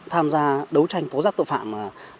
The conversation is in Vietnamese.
tham gia đấu tranh tố giác tội phạm